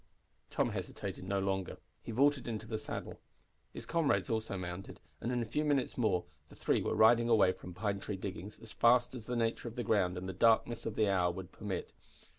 Tom hesitated no longer. He vaulted into the saddle. His comrades also mounted, and in a few minutes more the three were riding away from Pine Tree Diggings as fast as the nature of the ground and the darkness of the hour would permit.